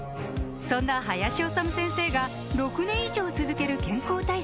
そんな林修先生が６年以上続ける健康対策